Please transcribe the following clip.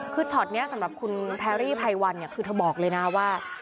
คือช็อตนี้สำหรับคุณแพรรี่ไพรวันเนี่ยคือเธอบอกเลยนะว่า